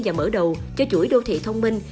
và mở đầu cho chuỗi đô thị thông minh